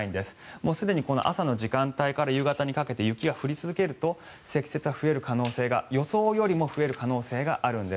もうすでに朝の時間帯から夕方にかけて雪が降り続けると積雪は予想よりも増える可能性があるんです。